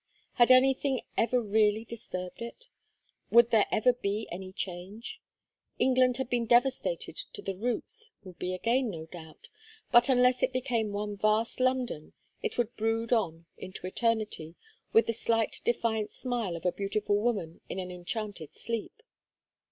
Had anything ever really disturbed it? Would there ever be any change? England had been devastated to the roots, would be again, no doubt, but unless it became one vast London, it would brood on into eternity with the slight defiant smile of a beautiful woman in an enchanted sleep.